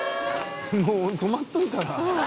もう止まっといたら？」